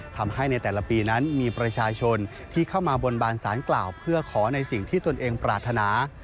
ทำให้ในแต่ละปีนั้นมีประชาชนที่เข้ามาบนบานสารกล่าวเพื่อขอในสิ่งที่ตนเองปรารถนา